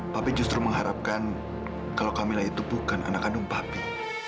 papi justru mengharapkan kalau kamila itu bukan anak kandung papi